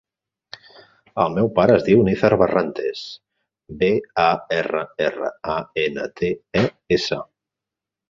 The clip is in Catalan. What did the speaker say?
El meu pare es diu Nizar Barrantes: be, a, erra, erra, a, ena, te, e, essa.